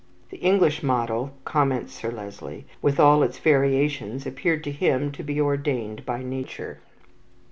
"The English model," comments Sir Leslie, "with all its variations, appeared to him to be ordained by nature."